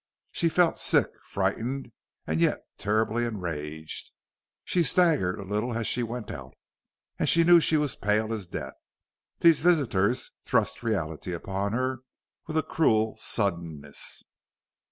She felt sick, frightened, and yet terribly enraged. She staggered a little as she went out, and she knew she was as pale as death. These visitors thrust reality upon her with a cruel suddenness.